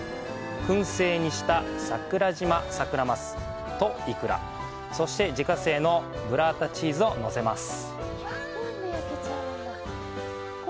くん製にした“淡路島サクラマス”とイクラ、そして、自家製のブッラータチーズをのせます。